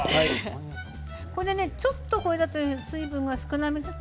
ちょっとこれだと水分が少なめかな？